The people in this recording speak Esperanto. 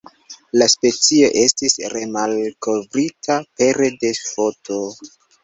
La specio estis remalkovrita pere de foto.